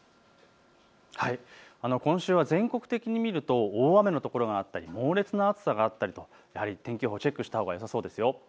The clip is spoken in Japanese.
今週は全国的に見ると大雨の所があったり猛烈な暑さがあったりとやはり天気予報をチェックしたほうがよさそうですよ。